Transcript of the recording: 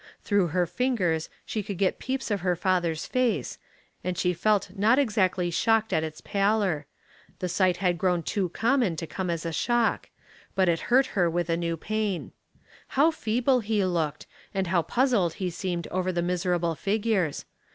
Through her fingers she could get peeps of her father's face, and she felt not exactly shocked at its pallor ; the sight had grown too common to come as a shock, but it hurt her with a new pain. How feeble he looked, and how puzzled he seemed over the miserable figures.